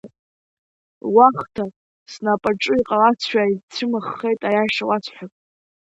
Луахҭа снапаҿы иҟалазшәа исцәымӷхеит, аиаша уасҳәап!